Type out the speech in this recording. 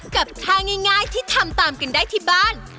กับท่าง่ายที่ทำตามกันได้ที่บ้าน